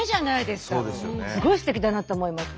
すごいすてきだなって思いました。